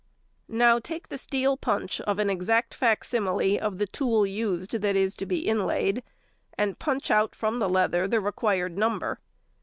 Now take the steel punch of an exact facsimile of the tool used that is to be inlaid, and punch out from the leather the required number.